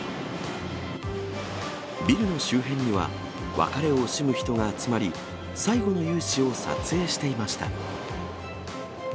ビルの周辺には別れを惜しむ人が集まり、最後の雄姿を撮影していました。